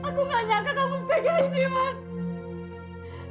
aku gak nyangka kamu segera ini mas